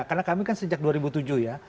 karena kami kan sejak dua ribu tujuh ya